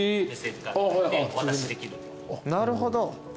なるほど。